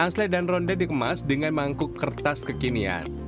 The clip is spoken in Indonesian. angsley dan ronde dikemas dengan mangkuk kertas kekinian